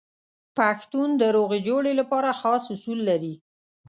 پښتون د روغې جوړې لپاره خاص اصول لري.